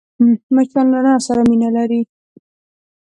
مچان له رڼا سره مینه لري